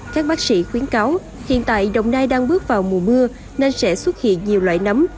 các bác sĩ khuyến cáo hiện tại đồng nai đang bước vào mùa mưa nên sẽ xuất hiện nhiều loại nấm